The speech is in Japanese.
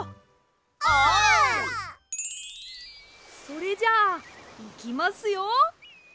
それじゃいきますよ。